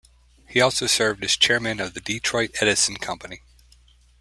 He also served as chairman of the Detroit Edison Company.